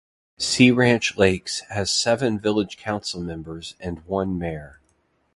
Sea Ranch Lakes has seven village council members and one mayor.